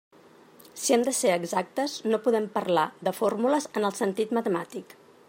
Si hem de ser exactes, no podem parlar de fórmules en el sentit matemàtic.